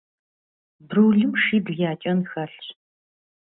Брулым шибл я кӀэн хэлъщ.